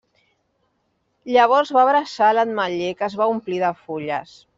Llavors va abraçar l'ametller que es va omplir de fulles.